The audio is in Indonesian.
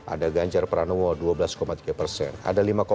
ada ganjar pranowo dua belas tiga persen